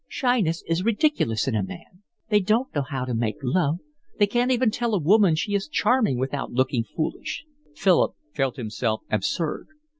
Shyness is ridiculous in a man. They don't know how to make love. They can't even tell a woman she is charming without looking foolish." Philip felt himself absurd.